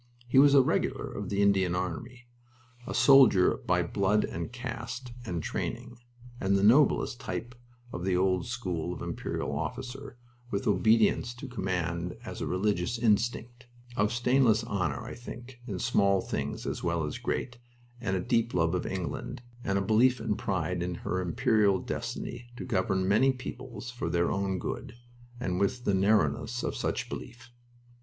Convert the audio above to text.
He was a Regular of the Indian Army, a soldier by blood and caste and training, and the noblest type of the old school of Imperial officer, with obedience to command as a religious instinct; of stainless honor, I think, in small things as well as great, with a deep love of England, and a belief and pride in her Imperial destiny to govern many peoples for their own good, and with the narrowness of such belief.